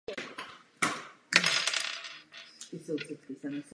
Nevím, zda toto bude můj poslední projev zde.